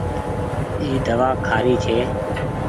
اي دوآ کآري ڇي۔